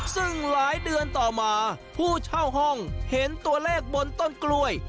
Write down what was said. ซึ่งหลายเดือนต่อมาผู้เช่าห้องเห็นตัวเลขบนต้นกล้วย